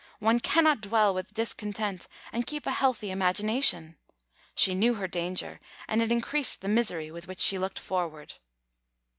One cannot dwell with discontent and keep a healthy imagination. She knew her danger, and it increased the misery with which she looked forward.